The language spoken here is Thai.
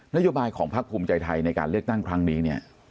นโยบายของภักดิ์คุมใจไทยในการเลือกตั้งครั้งนี้